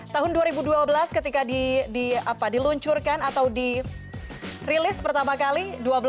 tahun dua ribu dua belas ketika diluncurkan atau dirilis pertama kali